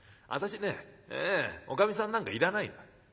私ねおかみさんなんかいらないの」。